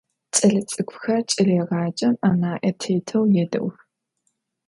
Ç'elets'ık'uxer ç'eleêğacem ana'e têteu yêde'ux.